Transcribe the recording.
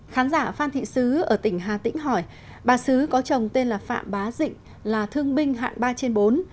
khán giả phan thị sứ ở tỉnh hà tĩnh hỏi bà xứ có chồng tên là phạm bá dịch là thương binh hạng ba trên bốn